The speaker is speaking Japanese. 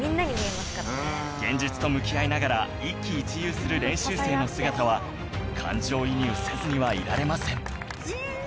現実と向き合いながら一喜一憂する練習生の姿は感情移入せずにはいられません